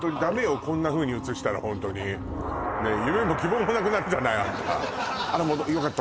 こんなふうに映したらホントに夢も希望もなくなるじゃないあんたあらよかった